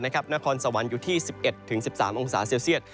นครสวรรค์อยู่ที่๑๑๑๑๓องศาเซลเซียต